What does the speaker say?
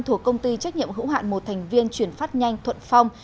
thuộc công ty trách nhiệm hữu hạn một thành viên chuyển phát nhanh thuận phong